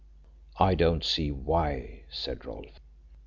"I don't see why," said Rolfe.